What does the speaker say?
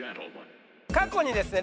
過去にですね